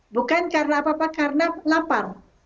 bukan karena apa apa karena lapar